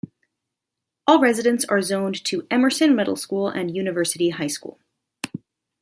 All residents are zoned to Emerson Middle School and University High School.